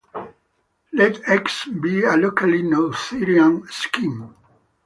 Let "X" be a locally noetherian scheme.